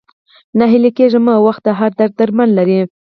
ناهيلی کيږه مه ، وخت د هر درد درمل لري